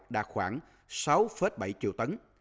đạt khoảng sáu bảy triệu tấn